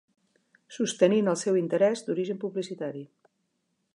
Sostenint el seu interès d'origen publicitari.